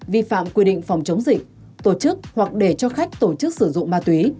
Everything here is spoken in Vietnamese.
vi phạm quy định phòng chống dịch tổ chức hoặc để cho khách tổ chức sử dụng ma túy